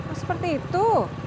oh seperti itu